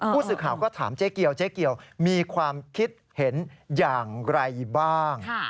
ผู้สื่อข่าวก็ถามเจ๊เกียวเจ๊เกียวมีความคิดเห็นอย่างไรบ้าง